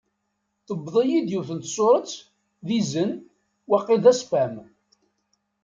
Tewweḍ-iyi-d yiwet n tsurett d izen, waqil d aspam.